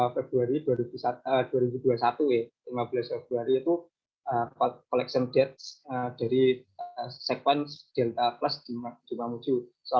februari dua ribu dua puluh satu ya lima belas februari itu collection death dari sekuens delta plus di mamuju